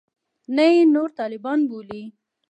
نه یې نور طالبان بولي.